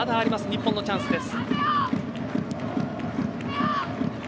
日本のチャンスです。